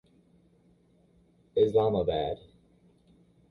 Islamabad.